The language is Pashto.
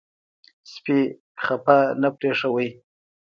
سپي خفه نه پرېښوئ.